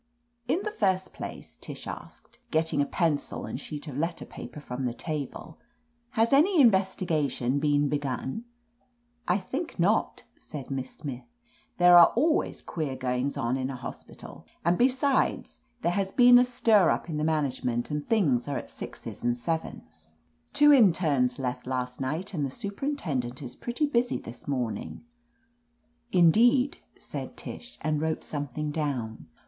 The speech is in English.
"In the first place," Tish asked, getting a pencil and sheet of letter paper from the table, "has any investigation been begun ?" "I think not," said Miss Smith. "There are always queer goings on in a hospital, and be sides, there has been a stir up in the manage ment, and things are at sixes and sevens. Two 35 r THE AMAZING ADVENTURES internes left last night, and the superintendent is pretty busy this morning/* "Indeed," said Tish, and wrote something down.